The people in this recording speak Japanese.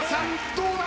どうだ？